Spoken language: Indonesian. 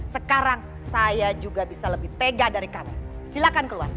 sekarang saya juga bisa lebih tega dari kami silakan keluar